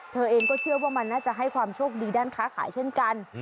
เธอเองก็เชื่อว่ามันน่าจะให้ความโชคดีด้านค้าขายเช่นกัน